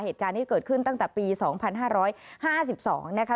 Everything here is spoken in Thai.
เหตุการณ์นี้เกิดขึ้นตั้งแต่ปี๒๕๕๒นะคะ